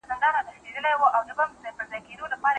تکوینی پوښتنې تاریخي اړخ لري.